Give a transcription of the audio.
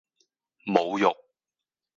侮辱